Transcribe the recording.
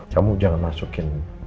kamu jangan masukin